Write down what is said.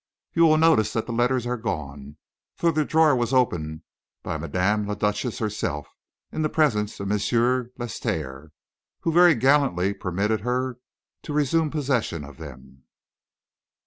"You will notice that the letters are gone, for the drawer was opened by Madame la Duchesse herself, in the presence of M. Lestaire, who very gallantly permitted her to resume possession of them.